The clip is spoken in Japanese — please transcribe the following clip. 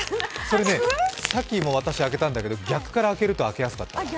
それ、さっき私、開けたんだけど逆から開けると開けやすかった。